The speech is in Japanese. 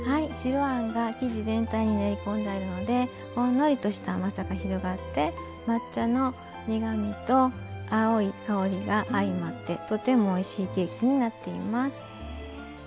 白あんが生地全体に練り込んであるのでほんのりとした甘みがして抹茶の苦みと青い香りが相まってとてもおいしいケーキになっています。